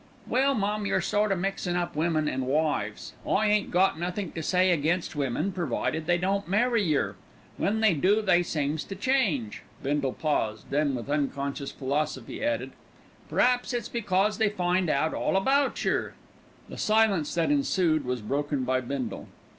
"Well, mum, you're sort o' mixin' up women an' wives. I ain't got nothink to say against women provided they don't marry yer. When they do they seems to change." Bindle paused, then with unconscious philosophy added, "P'r'aps it's because they find out all about yer." The silence that ensued was broken by Bindle.